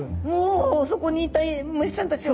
おそこにいた虫さんたちを？